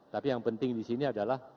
tapi yang penting disini adalah